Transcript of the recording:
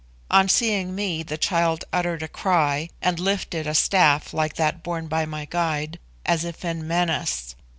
On seeing me the child uttered a cry, and lifted a staff like that borne by my guide, as if in menace.